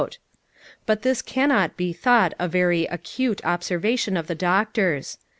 But this cannot be thought a very "acute" observation of the Doctor's.